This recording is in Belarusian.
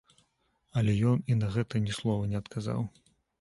Але ён і на гэта ні слова не адказаў.